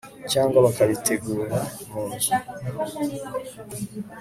cyangwa bakabitegura mu nzu